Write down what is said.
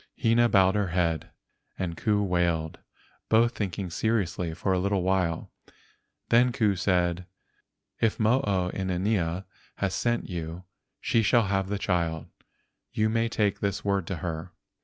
Hina bowed her head and Ku wailed, both thinking seriously for a little while. Then Ku said: "If Mo o inanea has sent you she shall have the child. You may take this word to her."